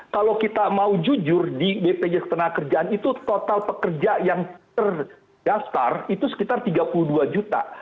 kalau kita mau jujur di bpjs tenaga kerjaan itu total pekerja yang terdaftar itu sekitar tiga puluh dua juta